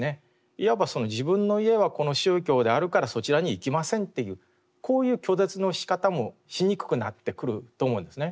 いわば自分の家はこの宗教であるからそちらに行きませんっていうこういう拒絶のしかたもしにくくなってくると思うんですね。